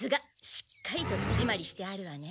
しっかりと戸じまりしてあるわね。